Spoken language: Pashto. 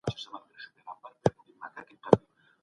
ایا بهرني سوداګر چارمغز پروسس کوي؟